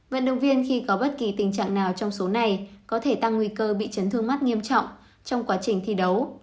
vận động viên khi có bất kỳ tình trạng nào trong số này có thể tăng nguy cơ bị chấn thương mắt nghiêm trọng trong quá trình thi đấu